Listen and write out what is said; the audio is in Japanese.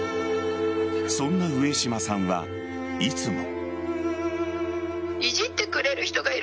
そんな上島さんはいつも。